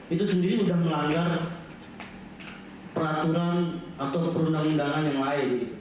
itu sendiri sudah melanggar peraturan atau perundang undangan yang lain